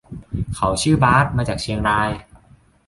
เขาชื่อบาส มาจากเชียงราย